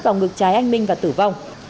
vào ngực trái anh minh và tử vong